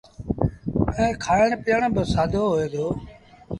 ائيٚݩ کآڻ پيٚئڻ با سآدو هوئي دو۔